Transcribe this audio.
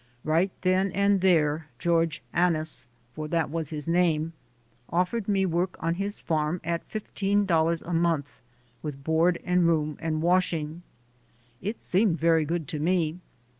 Right then and there George Annis, for that was his name, offered me work on his farm at $15 a month, with board, room and washing. It seemed very good to me.